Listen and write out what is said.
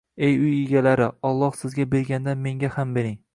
Ey uy egalari, Alloh sizga bergandan menga ham bering